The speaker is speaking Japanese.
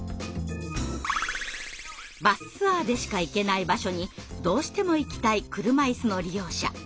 バスツアーでしか行けない場所にどうしても行きたい車いすの利用者。